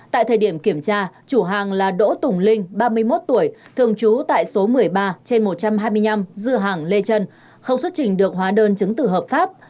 tại thời điểm kiểm tra chủ hàng là đỗ tùng linh ba mươi một tuổi thường trú tại số một mươi ba trên một trăm hai mươi năm dưa hàng lê trân không xuất trình được hóa đơn chứng tử hợp pháp